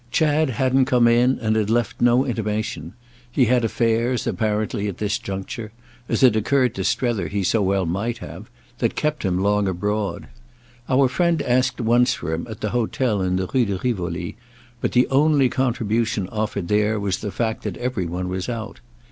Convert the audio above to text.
Chad hadn't come in and had left no intimation; he had affairs, apparently, at this juncture—as it occurred to Strether he so well might have—that kept him long abroad. Our friend asked once for him at the hotel in the Rue de Rivoli, but the only contribution offered there was the fact that every one was out.